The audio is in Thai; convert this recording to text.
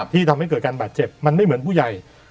ที่ทำให้เกิดการบาดเจ็บมันไม่เหมือนผู้ใหญ่